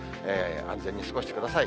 安全に過ごしてください。